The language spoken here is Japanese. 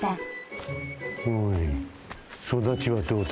おいそだちはどうだ？